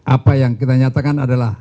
apa yang kita nyatakan adalah